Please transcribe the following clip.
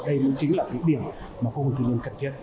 đây chính là những điểm mà khu vực doanh nghiệp cần thiết